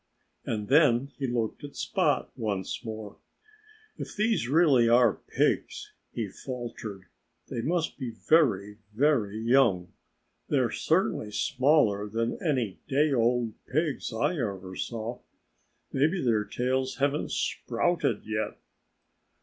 And then he looked at Spot once more. "If these really are pigs," he faltered, "they must be very, very young. They're certainly smaller than any day old pigs I ever saw.... Maybe their tails haven't sprouted yet."